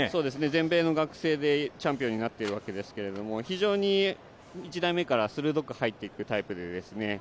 全米の学生でチャンピオンになっているわけですけれども、非常に１台目から鋭く入っていくタイプですね。